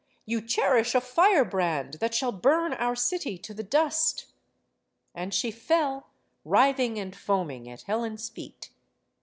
You cherish a firebrand that shall burn our city to the dust!" And she fell, writhing and foaming, at Helen's feet.